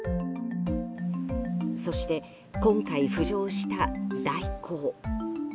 そして今回浮上した大広。